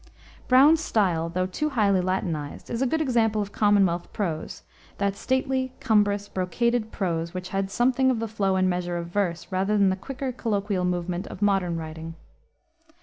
Browne's style, though too highly Latinized, is a good example of Commonwealth prose, that stately, cumbrous, brocaded prose, which had something of the flow and measure of verse, rather than the quicker, colloquial movement of modern writing.